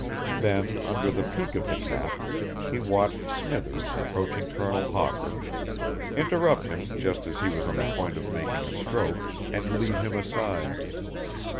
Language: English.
Then under the peak of the cap, he watched Smithers approaching Colonel Hawker, interrupt him just as he was on the point of making a stroke, and lead him aside.